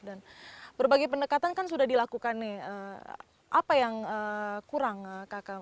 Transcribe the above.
dan berbagai pendekatan kan sudah dilakukan nih apa yang kurang kakak